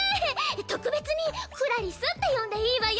特別にクラリスって呼んでいいわよ